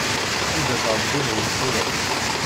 Anda-t Ṛebbi-nwen tura?